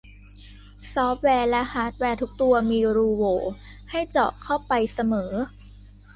ซอฟต์แวร์และฮาร์ดแวร์ทุกตัวมีรูโหว่ให้เจาะเข้าไปเสมอ